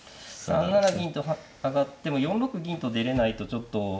３七銀と上がっても４六銀と出れないとちょっと。